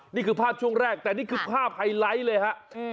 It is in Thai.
นี่คือภาพช่วงแรกแต่นี่คือภาพไฮไลท์เลยฮะ